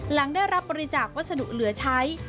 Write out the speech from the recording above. หลังได้รับบริจาควัสดุเหลือใช้